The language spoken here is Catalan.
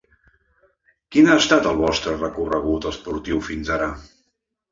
Quin ha estat, el vostre recorregut esportiu fins ara?